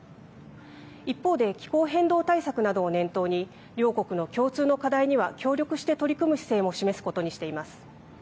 一方で気候変動対策などを念頭に両国の共通の課題には協力して取り組む姿勢も示すことにしています。